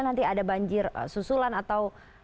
nanti ada banjir susulan atau